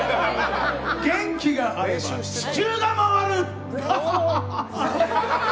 元気があれば地球が回る！